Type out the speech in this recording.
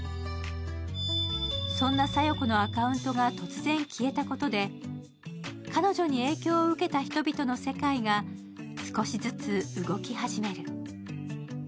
そんな小夜子のアカウントが突然、消えたことで彼女に影響を受けた人々の世界が少しずつ動き始める。